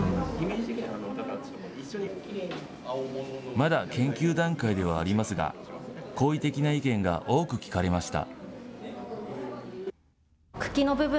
まだ研究段階ではありますが、好意的な意見が多く聞かれました。